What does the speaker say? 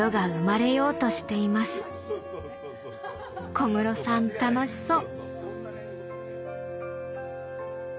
小室さん楽しそう。